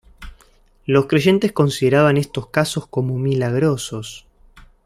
Los creyentes consideraban estos casos como milagrosos.